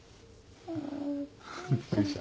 びっくりした？